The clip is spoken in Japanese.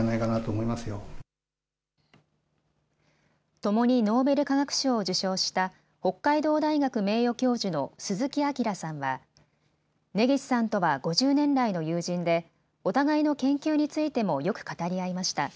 ともにノーベル化学賞を受賞した北海道大学名誉教授の鈴木章さんは根岸さんとは５０年来の友人でお互いの研究についてもよく語り合いました。